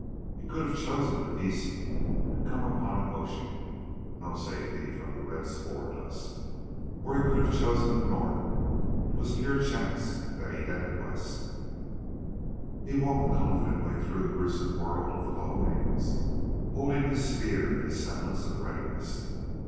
He could have chosen the east and come upon an ocean, but no safety from the red spore dust. Or he could have chosen the north. It was pure chance that he headed west. He walked confidently through the gruesome world of the lowlands, holding his spear in a semblance of readiness.